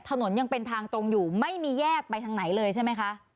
ถนนยังเป็นทางตรงอยู่ไม่มีแยกไปทางไหนเลยใช่ไหมคะ